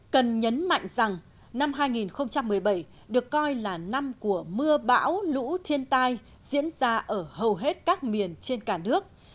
cần nhấn mạnh rằng năm hai nghìn một mươi bảy được coi là năm của mưa bão lũ thiên tai diễn ra ở hầu hết các miền trên cả nước